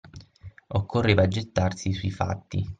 Occorreva gettarsi sui fatti.